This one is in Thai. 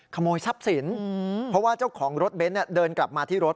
ขโมยทรัพย์สินเพราะว่าเจ้าของรถเบนท์เดินกลับมาที่รถ